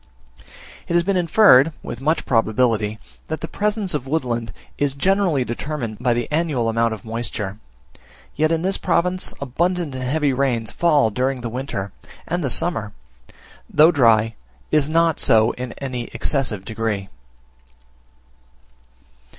It has been inferred with much probability, that the presence of woodland is generally determined by the annual amount of moisture; yet in this province abundant and heavy rain falls during the winter; and the summer, though dry, is not so in any excessive degree.